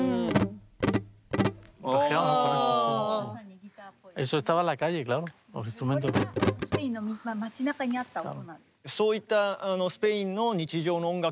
これがスペインの街なかにあった音。